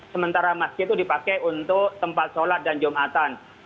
sementara masjid itu dipakai untuk tempat sholat dan jumatan